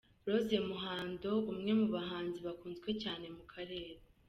Rose Muhando umwe mu bahanzi bakunzwe cyane mu karere.